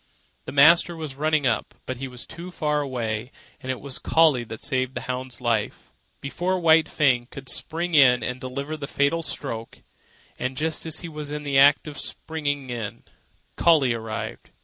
The master was running up, but was too far away; and it was Collie that saved the hound's life. Before White Fang could spring in and deliver the fatal stroke, and just as he was in the act of springing in, Collie arrived.